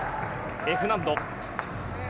Ｆ難度。